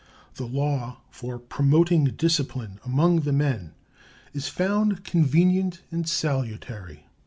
The law for promoting discipline among the men is found convenient and salutary.